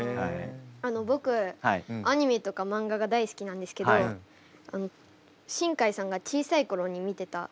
僕アニメとか漫画が大好きなんですけど新海さんが小さい頃に見てたアニメとかありますか？